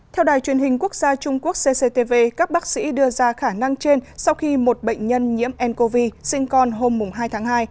theo đài truyền hình quốc gia trung quốc cctv các bác sĩ đưa ra khả năng trên sau khi một bệnh nhân nhiễm ncov sinh con hôm hai tháng hai